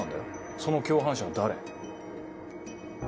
その共犯者は誰？